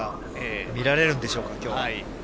見られるんでしょうか、きょう。